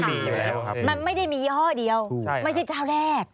มันไม่ได้มียี่ห้อเดียวไม่ใช่เจ้าแรก